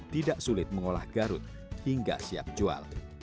tidak sulit mengolah garut hingga siap jual